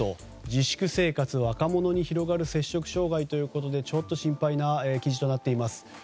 自粛生活、若者に広がる摂食障害ということでちょっと心配な記事となっています。